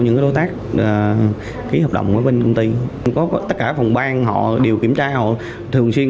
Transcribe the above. công ty tác ký hợp đồng với bên công ty có có tất cả phòng ban họ đều kiểm tra họ thường xuyên